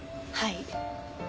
はい。